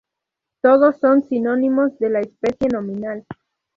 Todos son sinónimos de la especie nominal.